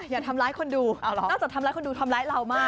อย่าทำร้ายคนดูนอกจากทำร้ายคนดูทำร้ายเรามาก